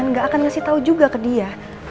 panti asuhan gak akan ngasih tau juga ke dia